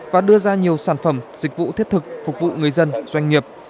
và đưa ra nhiều sản phẩm dịch vụ thiết thực phục vụ người dân doanh nghiệp